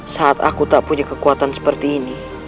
saat aku tak punya kekuatan seperti ini